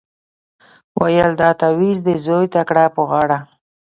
ویل دا تعویذ دي زوی ته کړه په غاړه